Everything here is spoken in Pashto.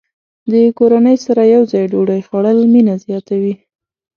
د کورنۍ سره یوځای ډوډۍ خوړل مینه زیاته وي.